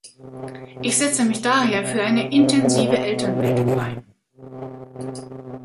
Ich setze mich daher für eine intensive Elternbildung ein.